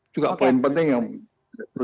juga poin penting yang menarik